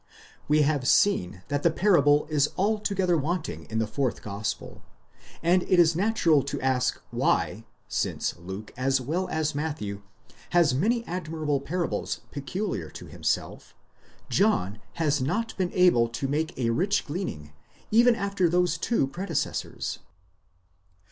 *° We have seen that the parable is alto gether wanting in the fourth gospel, and it is natural to ask why, since Luke, as well as Matthew, has many admirable parables peculiar to himself, John has not been able to make a rich gleaning, even after those two predecessors